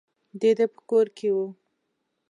د ده په کور کې وو.